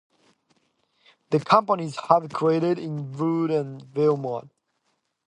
The company is headquartered in Burlington, Vermont.